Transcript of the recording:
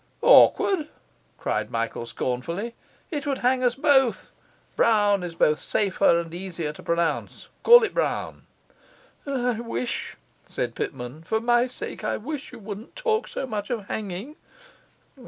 'Awkward?' cried Michael scornfully. 'It would hang us both! Brown is both safer and easier to pronounce. Call it Brown.' 'I wish,' said Pitman, 'for my sake, I wish you wouldn't talk so much of hanging.